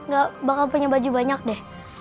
gak bakal punya baju banyak deh